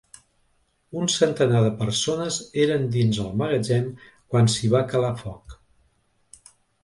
Un centenar de persones eren dins el magatzem quan s’hi va calar foc.